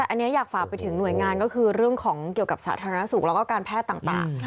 แต่อันนี้อยากฝากไปถึงหน่วยงานก็คือเรื่องของเกี่ยวกับสาธารณสุขแล้วก็การแพทย์ต่าง